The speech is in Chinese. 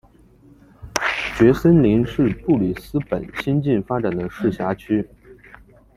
蕨森林是个布里斯本新近发展的市辖区。